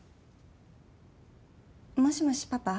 もしもしパパ？